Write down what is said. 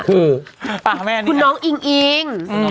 คุณน้องอิงอิง